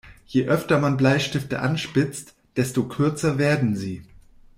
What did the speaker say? Je öfter man Bleistifte anspitzt, desto kürzer werden sie.